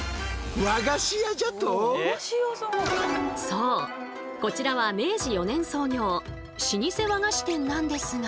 そうこちらは明治４年創業老舗和菓子店なんですが。